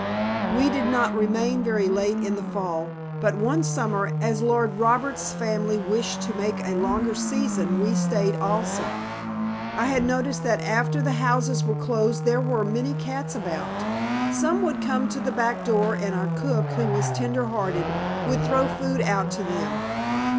We did not remain very late in the fall, but one summer, as Lord Roberts' family wished to make a longer season, we stayed also. I had noticed that after the houses were closed there were many cats about. Some would come to the back door and our cook, who was tender hearted, would throw food out to them.